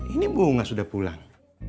ini bunga sudah pulang